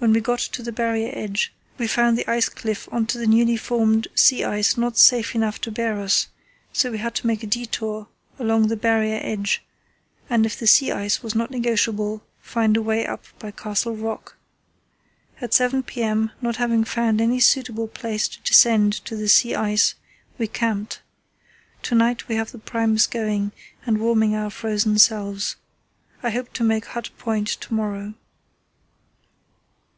When we got to the Barrier edge we found the ice cliff on to the newly formed sea ice not safe enough to bear us, so we had to make a detour along the Barrier edge and, if the sea ice was not negotiable, find a way up by Castle Rock. At 7 p.m., not having found any suitable place to descend to the sea ice we camped. To night we have the Primus going and warming our frozen selves. I hope to make Hut Point to morrow."